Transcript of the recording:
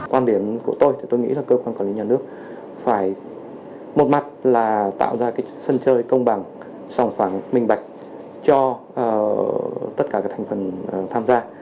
quan điểm của tôi thì tôi nghĩ là cơ quan quản lý nhà nước phải một mặt là tạo ra cái sân chơi công bằng sòng phẳng minh bạch cho tất cả các thành phần tham gia